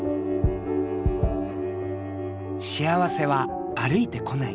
幸せは歩いてこない。